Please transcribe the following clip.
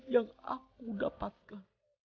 yang aku dapatkan